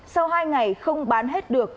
sau hai ngày không bán hết được